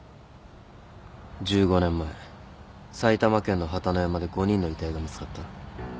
１５年前埼玉県の榛野山で５人の遺体が見つかった。